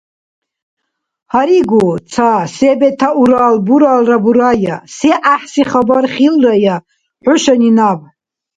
Гьаригу ца се бетаурал буралра бурая. Се гӀяхӀси хабар хилрая хӀушани наб?